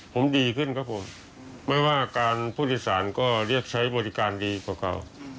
ผมดีขึ้นครับผมไม่ว่าการผู้โดยสารก็เรียกใช้บริการดีกว่าเก่า